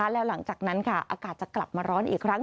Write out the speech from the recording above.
แล้วหลังจากนั้นอากาศจะกลับมาร้อนอีกครั้ง